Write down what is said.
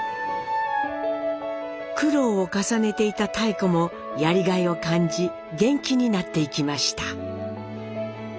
苦労を重ねていた妙子もやりがいを感じ元気になっていきました。